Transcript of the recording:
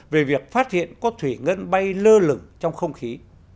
về việc phát hiện có thủy ngân bay lơ lửng trong không khí